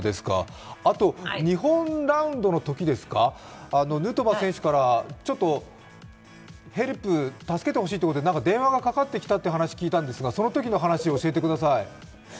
あと日本ラウンドのときですか、ヌートバー選手からヘルプ、助けてほしいということで電話がかかってきたという話を聞いたんですが、そのときの話を教えてください。